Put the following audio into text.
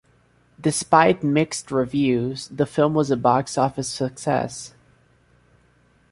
Despite mixed reviews, the film was a box-office success.